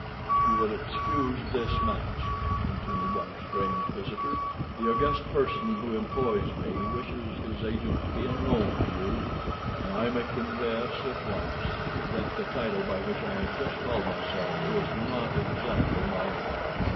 "You will excuse this mask," continued our strange visitor. "The august person who employs me wishes his agent to be unknown to you, and I may confess at once that the title by which I have just called myself is not exactly my own."